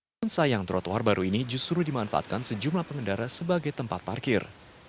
namun sayang trotoar baru ini justru dimanfaatkan sejumlah pengendara sebagai tempat parkir